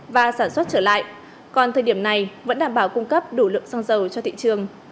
và sản xuất trở lại còn thời điểm này vẫn đảm bảo cung cấp đủ lượng xăng dầu cho thị trường